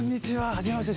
はじめまして。